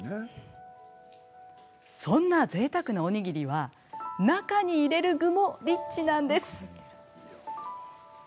そんな、ぜいたくなおにぎりは中に入れる具もリッチなんです。